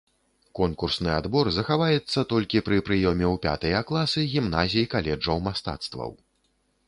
Конкурсны адбор захаваецца толькі пры прыёме ў пятыя класы гімназій-каледжаў мастацтваў.